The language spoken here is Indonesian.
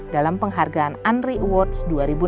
dalam penghargaan andri awards dua ribu enam belas